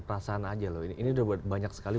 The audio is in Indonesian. perasaan saja loh ini sudah banyak sekali